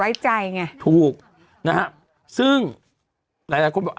ไว้ใจไงถูกนะฮะซึ่งหลายหลายคนบอก